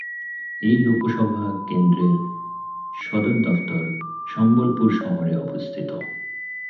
এই লোকসভা কেন্দ্রর সদর দফতর সম্বলপুর শহরে অবস্থিত।